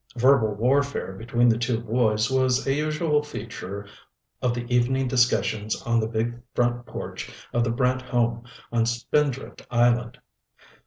Verbal warfare between the two boys was a usual feature of the evening discussions on the big front porch of the Brant home on Spindrift Island.